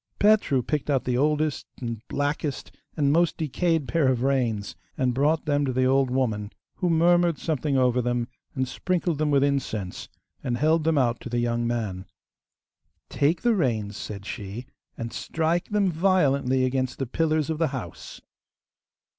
Petru picked out the oldest, and blackest, and most decayed pair of reins, and brought them to the old woman, who murmured something over them and sprinkled them with incense, and held them out to the young man. 'Take the reins,' said she, 'and strike them violently against the pillars of the house.